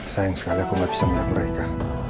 sayang sekali aku gak bisa melihat mereka